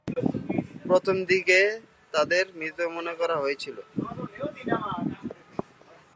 প্রথম দিকে তাদের মৃত মনে করা হয়ে হয়েছিল।